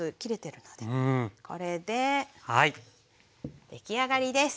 これで出来上がりです。